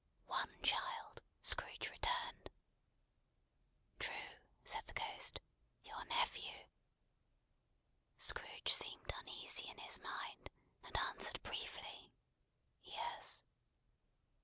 "One child," Scrooge returned. "True," said the Ghost. "Your nephew!" Scrooge seemed uneasy in his mind; and answered briefly, "Yes."